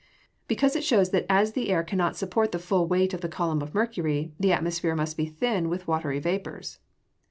_ Because it shows that as the air cannot support the full weight of the column of mercury, the atmosphere must be thin with watery vapours.